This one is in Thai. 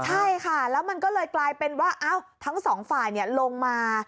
ใช่ค่ะแล้วมันก็เลยกลายเป็นว่าทั้งสองฝ่ายลงมา